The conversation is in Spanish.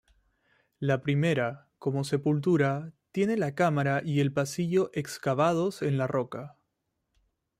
La primera, como sepultura, tiene la cámara y el pasillo excavados en la roca.